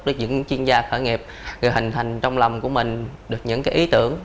với những chuyên gia khởi nghiệp người hình thành trong lòng của mình được những cái ý tưởng